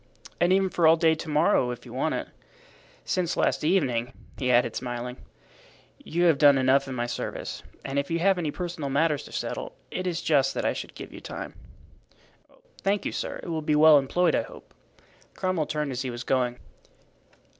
"And even for all day to morrow, if you want it. Since last evening," he added, smiling, "you have done enough in my service, and if you have any personal matters to settle it is just that I should give you time." "Thank you, sir; it will be well employed, I hope." Cromwell turned as he was going.